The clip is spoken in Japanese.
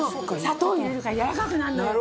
砂糖入れるからやわらかくなるのよ。